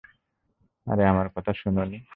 আরে, আমার কথা শুনোনি?